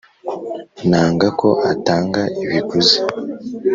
Nanga ko atanga ibiguzi